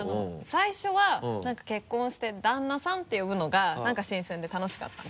最初は結婚して「旦那さん」って呼ぶのが何か新鮮で楽しかったんです。